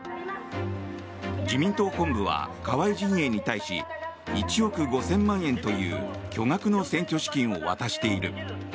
自民党本部は、河井陣営に対し１億５０００万円という巨額の選挙資金を渡している。